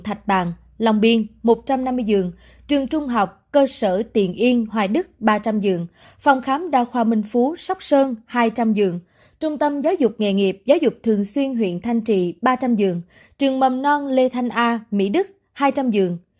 thạch bàng lòng biên một trăm năm mươi dường trường trung học cơ sở tiền yên hoài đức ba trăm linh dường phòng khám đa khoa minh phú sóc sơn hai trăm linh dường trung tâm giáo dục nghề nghiệp giáo dục thường xuyên huyện thanh trị ba trăm linh dường trường mầm non lê thanh a mỹ đức hai trăm linh dường